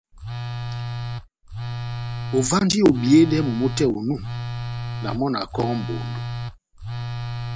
Ová ondi obiyedɛ momó tɛ́h onu, na mɔ́ na kɔ́hɔ́ mʼbondo.